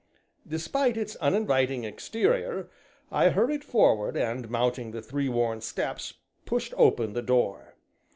Despite its uninviting exterior, I hurried forward, and mounting the three worn steps pushed open the door.